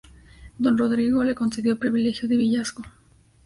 Don Rodrigo le concedió el privilegio de villazgo.